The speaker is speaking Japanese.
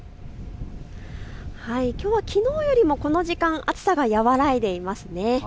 きょうはきのうよりもこの時間、暑さが和らいでいます。